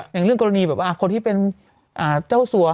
อย่างเรื่องกรณีแบบว่าคนที่เป็นเจ้าสัว